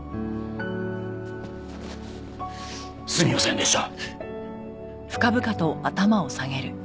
すみませんでした！